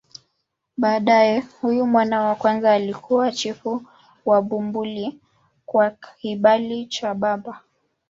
Baadaye huyu mwana wa kwanza alikuwa chifu wa Bumbuli kwa kibali cha baba.